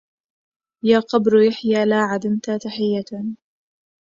يا قبر يحيى لا عدمت تحية